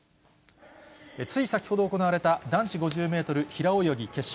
つい先ほど行われた、男子５０メートル平泳ぎ決勝。